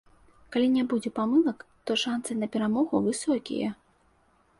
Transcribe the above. Калі не будзе памылак, то шанцы на перамогу высокія.